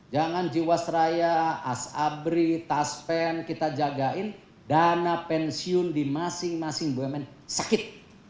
jangan jiwasraya sabri taspen kita jagain dana pensiun di masing masing bumn sakit